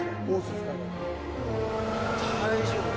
大丈夫？